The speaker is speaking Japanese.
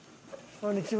こんにちは！